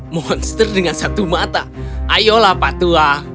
monster dengan satu mata ayolah patua